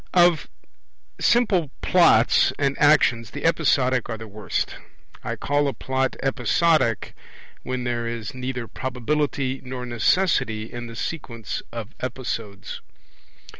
Of simple Plots and actions the episodic are the worst. I call a Plot episodic when there is neither probability nor necessity in the sequence of episodes.